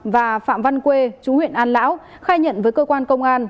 và phạm văn quê chú huyện an lão khai nhận với cơ quan công an